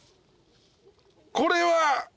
これは。